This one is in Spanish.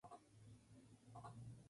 Su padre fue el filósofo pagano Leoncio.